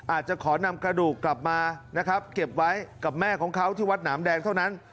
อาจจะขอนำกระดูกกลับมานะครับเก็บไว้กับแม่ของเขาที่วัดหนามแดงเท่านั้น